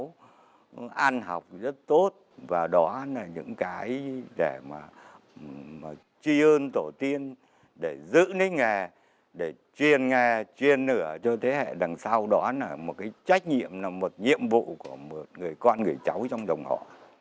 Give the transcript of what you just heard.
con có cháu ăn học rất tốt và đó là những cái để mà truy ơn tổ tiên để giữ nếp nghề để truyền nghề truyền nửa cho thế hệ đằng sau đó là một cái trách nhiệm là một nhiệm vụ của một người con người cháu trong đồng họ